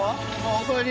おかえり。